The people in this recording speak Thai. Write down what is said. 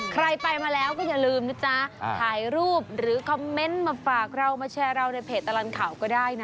ใครไปมาแล้วก็อย่าลืมนะจ๊ะถ่ายรูปหรือคอมเมนต์มาฝากเรามาแชร์เราในเพจตลอดข่าวก็ได้นะ